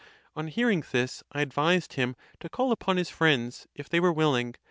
On hearing this, 1 advised him to call upon his friends, if they were willing.